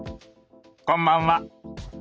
こんばんは。